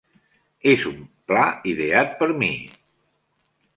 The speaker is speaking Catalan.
És un pla ideat per mi.